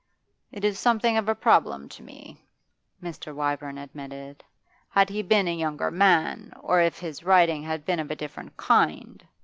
'It is something of a problem to me,' Mr. Wyvern admitted. 'Had he been a younger man, or if his writing had been of a different kind.